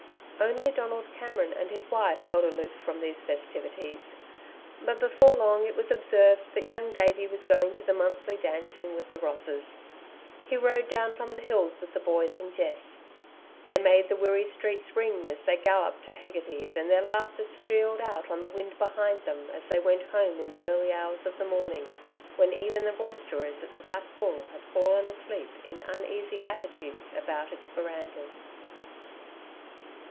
Only Donald Cameron and his wife held aloof from these festivities. But before long it was observed that Young Davey was going to the monthly dancing with the Rosses. He rode down from the hills with the boys and Jess. They made the Wirree streets ring as they galloped to Hegarty's, and their laughter streeled out on the wind behind them, as they went home in the early hours of the morning, when even the roisterers at the Black Bull had fallen asleep in uneasy attitudes about its verandahs.